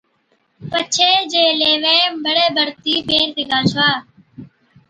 پڇي جين ليوين بڙي بڙتِي پيهر سِگھا ڇَوا۔